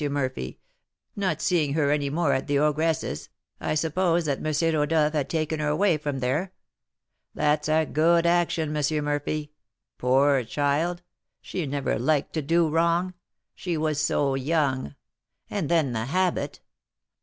Murphy, not seeing her any more at the ogress's, I supposed that M. Rodolph had taken her away from there. That's a good action, M. Murphy. Poor child! she never liked to do wrong, she was so young! And then the habit!